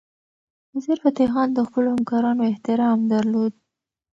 وزیرفتح خان د خپلو همکارانو احترام درلود.